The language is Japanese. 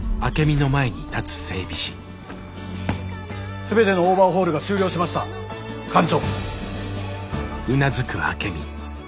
全てのオーバーホールが終了しました艦長。